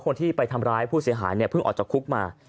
คนที่ไปทำร้ายผู้เสียหายเนี่ยเพิ่งออกจากคุกมา